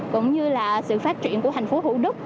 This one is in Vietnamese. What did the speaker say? cũng như là sự phát triển của thành phố thủ đức